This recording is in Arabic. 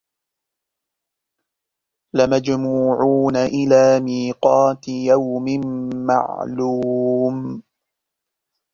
لَمَجموعونَ إِلى ميقاتِ يَومٍ مَعلومٍ